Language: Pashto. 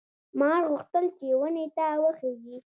مار غوښتل چې ونې ته وخېژي.